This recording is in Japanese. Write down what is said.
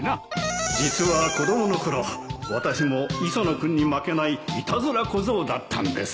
実は子供の頃私も磯野君に負けないいたずら小僧だったんです